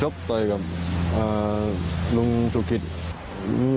คือไม่ยอมใคร